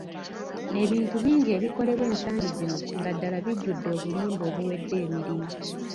Ebintu bingi ebikolebwa ensangi zino nga ddala bijjudde obulimba obuwedde emirimu.